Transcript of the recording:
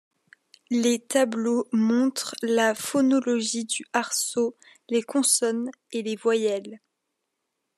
Les tableaux montrent la phonologie du harso: les consonnes et les voyelles.